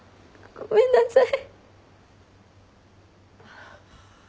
ごめんなさい。